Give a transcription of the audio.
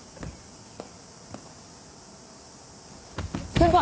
先輩！